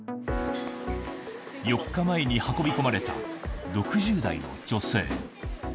４日前に運び込まれた６０代の女性。